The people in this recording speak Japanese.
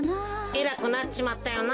えらくなっちまったよな。